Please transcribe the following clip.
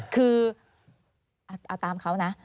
คือเอาตามเขานะ